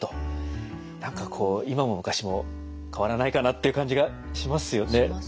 今も昔も変わらないかなっていう感じがしますよね。